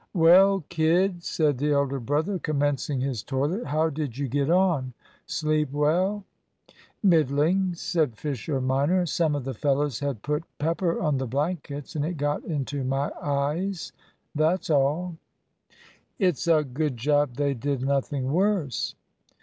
"Well, kid," said the elder brother, commencing his toilet, "how did you get on? Sleep well?" "Middling," said Fisher minor. "Some of the fellows had put pepper on the blankets, and it got into my eyes that's all." "It's a good job they did nothing worse."